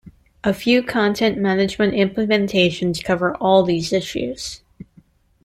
A few content management implementations cover all these issues.